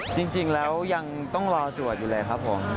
จริงแล้วยังต้องรอตรวจอยู่เลยครับผม